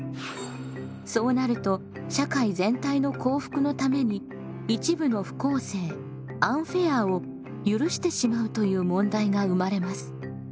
そうなると社会全体の幸福のために一部の不公正アンフェアを許してしまうという問題が生まれます。